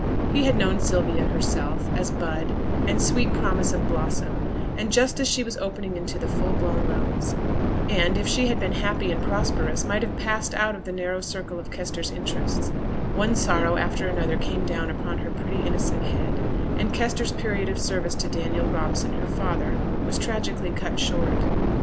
He had known Sylvia herself, as bud, and sweet promise of blossom; and just as she was opening into the full blown rose, and, if she had been happy and prosperous, might have passed out of the narrow circle of Kester's interests, one sorrow after another came down upon her pretty innocent head, and Kester's period of service to Daniel Robson, her father, was tragically cut short.